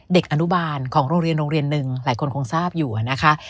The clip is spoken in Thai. เด็กอนุบาลของโรงเรียนโรงเรียนหนึ่งหลายคนคงทราบอยู่นะคะ